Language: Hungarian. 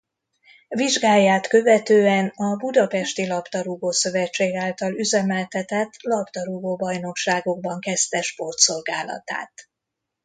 Vizsgáját követően a Budapesti Labdarúgó-szövetség által üzemeltetett labdarúgó bajnokságokban kezdte sportszolgálatát.